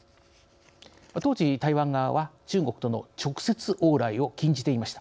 当時、台湾側は中国との直接往来を禁じていました。